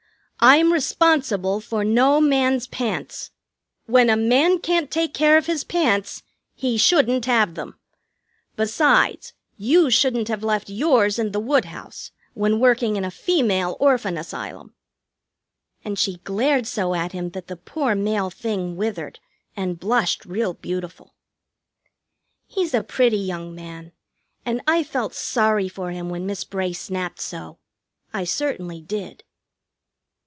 "I'm responsible for no man's pants. When a man can't take care of his pants, he shouldn't have them. Besides, you shouldn't have left yours in the woodhouse when working in a Female Orphan Asylum." And she glared so at him that the poor male thing withered, and blushed real beautiful. He's a pretty young man, and I felt sorry for him when Miss Bray snapped so. I certainly did.